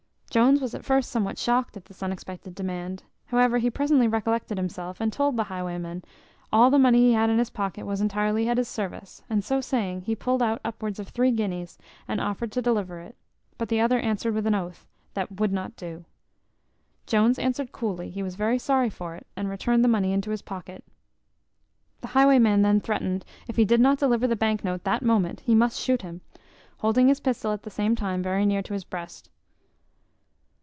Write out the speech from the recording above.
Jones was at first somewhat shocked at this unexpected demand; however, he presently recollected himself, and told the highwayman, all the money he had in his pocket was entirely at his service; and so saying, he pulled out upwards of three guineas, and offered to deliver it; but the other answered with an oath, That would not do. Jones answered coolly, he was very sorry for it, and returned the money into his pocket. The highwayman then threatened, if he did not deliver the bank note that moment, he must shoot him; holding his pistol at the same time very near to his breast.